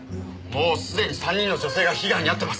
もうすでに３人の女性が被害に遭ってます。